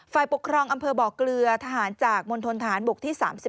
ฝ่ายปกครองอำเภอบ่อเกลือทหารจากมณฑนฐานบกที่๓๑